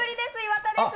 岩田です。